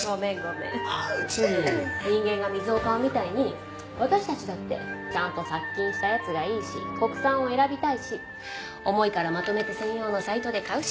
人間が水を買うみたいに私たちだってちゃんと殺菌したやつがいいし国産を選びたいし重いからまとめて専用のサイトで買うし。